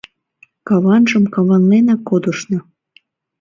Каванжым каванленак кодышна.